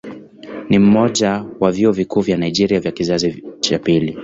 Ni mmoja ya vyuo vikuu vya Nigeria vya kizazi cha pili.